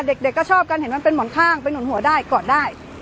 เด็กก็ชอบกันเห็นมันเป็นหมอนข้างไปหนุนหัวได้กอดได้